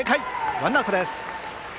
ワンアウトです。